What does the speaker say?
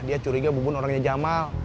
dia curiga bubun orangnya jamal